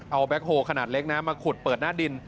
เอาแก๊คโฮลขนาดเล็กนะมาขุดเปิดหน้าดิน